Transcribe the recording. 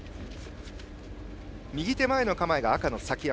右手前の構えが赤の崎山。